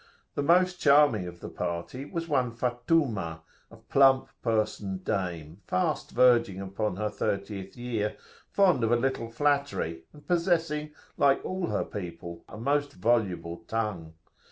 The most charming of the party was one Fattumah[FN#18], a plump personed dame, fast verging upon her thirtieth year, fond of a little flattery, and possessing, like all her people, a most voluble tongue.